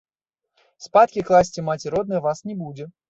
Спаткі класці маці родная вас не будзе.